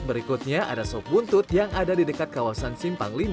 berikutnya ada sop buntut yang ada di dekat kawasan simpang lima